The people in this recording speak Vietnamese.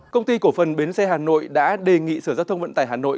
công ty cổ phần bến xe hà nội đã đề nghị sở giao thông vận tải hà nội